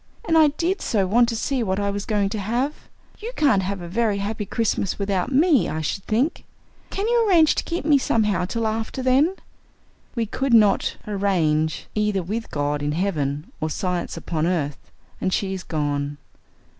'And I did so want to see what I was going to have. You can't have a very happy Christmas without me, I should think. Can you arrange to keep me somehow till after then?' We could not 'arrange' either with God in heaven or science upon earth, and she is gone."